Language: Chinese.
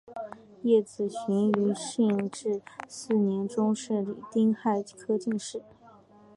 叶子循于顺治四年中式丁亥科进士。